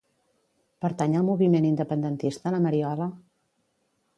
Pertany al moviment independentista la Mariola?